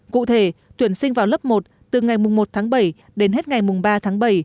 cụ thể tuyển sinh vào lớp một từ ngày một tháng bảy đến hết ngày mùng ba tháng bảy